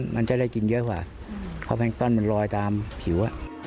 มันจะได้กินเยอะกว่าเพราะแพงต้อนมันลอยตามผิว